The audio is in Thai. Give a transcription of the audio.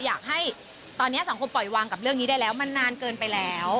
อยากให้ตอนนี้สังคมปล่อยวางกับเรื่องนี้ได้แล้วมันนานเกินไปแล้ว